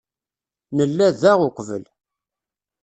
Nella da uqbel.